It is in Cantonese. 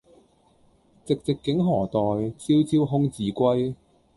寂寂竟何待，朝朝空自歸。